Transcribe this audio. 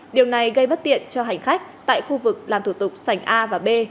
điều này gây bất tiện cho hành khách tại khu vực làm thủ tục sảnh a và b